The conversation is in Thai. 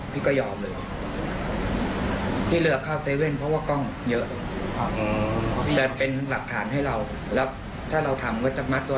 แต่ถ้าเราไม่ได้ทำมันก็จะเป็นหลักฐานเพราะเราอยู่คนเดียว